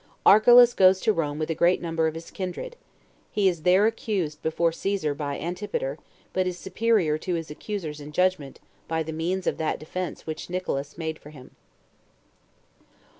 Archelaus Goes To Rome With A Great Number Of His Kindred. He Is There Accused Before Caesar By Antipater; But Is Superior To His Accusers In Judgment By The Means Of That Defense Which Nicolaus Made For Him.